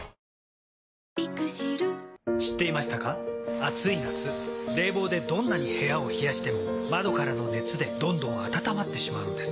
暑い夏冷房でどんなに部屋を冷やしても窓からの熱でどんどん暖まってしまうんです。